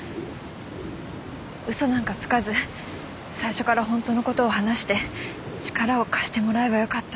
嘘なんかつかず最初から本当の事を話して力を貸してもらえばよかった。